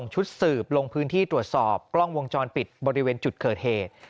ชุดสืบลงพื้นที่ตรวจสอบกล้องวงจรปิดบริเวณจุดเกิดเหตุ